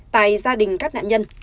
tại gia đình các nạn nhân